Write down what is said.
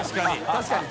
確かに。